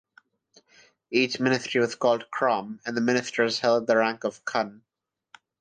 Each ministry was called "Krom" and the ministers held the rank of "Khun".